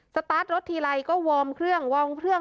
สตาร์ทรถทีไรก็วอร์มเครื่องวอร์มเครื่อง